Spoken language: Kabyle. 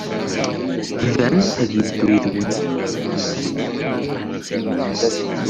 Dan ad yeddu yid-went.